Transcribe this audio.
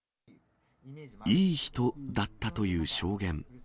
いい人だったという証言。